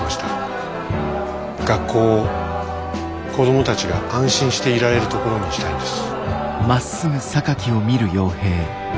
学校を子供たちが安心していられるところにしたいんです。